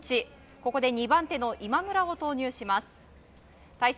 ここで２番手の今村を投入します。